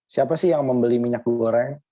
siapa sih yang membeli minyak goreng